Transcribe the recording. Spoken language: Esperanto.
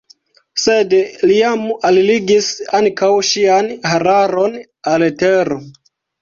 Sed mi jam alligis ankaŭ ŝian hararon al tero.